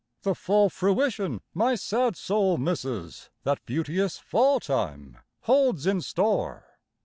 The full fruition my sad soul misses That beauteous Fall time holds in store!"